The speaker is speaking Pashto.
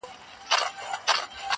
شكر چي ښكلا يې خوښــه ســوېده.